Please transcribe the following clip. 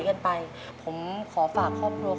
เงินเงินเงินเงิน